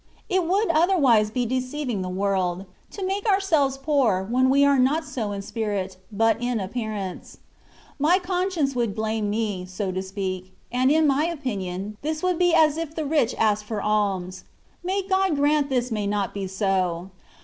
It would otherwise be deceiving the world — ^to make ourselves poor^when we are not so in spirit, but in appearance. My conscience would blame me, so to speak ; and, in my opinion, this would be as if the rich asked for alms : may God grant this may not be so.